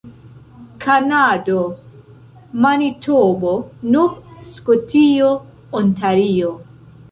Kanado: Manitobo, Nov-Skotio, Ontario.